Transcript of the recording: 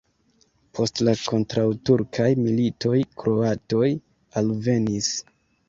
Post la kontraŭturkaj militoj kroatoj alvenis.